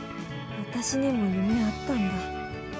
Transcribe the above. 私にも夢あったんだ。